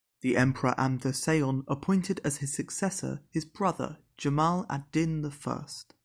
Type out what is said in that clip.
The Emperor Amda Seyon appointed as his successor his brother, Jamal ad-Din the First.